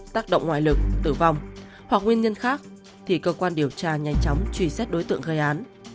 tác động ngoại lực tử vong hoặc nguyên nhân khác thì cơ quan điều tra nhanh chóng truy xét đối tượng gây án